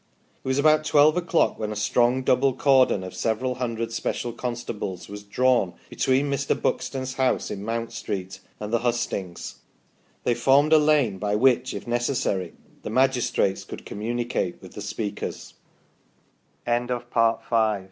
It was about twelve o'clock when a strong double cordon of several hundred special constables was drawn between Mr. Buxton's house in Mount Street and the hustings. They formed a lane by which, if necessary, the magistrates could communicate with the speakers. THE PROCESSIONS FROM THE OUTLYING DISTRICTS.